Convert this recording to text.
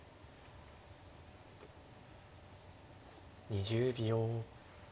２０秒。